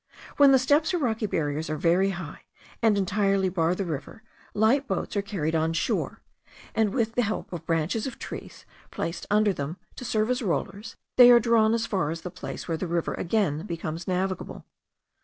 When the steps or rocky barriers are very high, and entirely bar the river, light boats are carried on shore, and with the help of branches of trees placed under them to serve as rollers, they are drawn as far as the place where the river again becomes navigable.